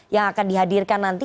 yang akan dihadirkan nanti